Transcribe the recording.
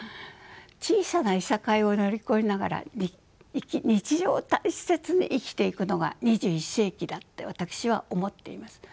小さないさかいを乗り越えながら日常を大切に生きていくのが２１世紀だって私は思っています。